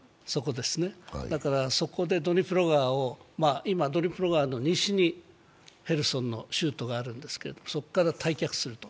だからそこでドニプロ川、今ドニプロ川の西にヘルソンの州都があるんですけれども、そこから退却する。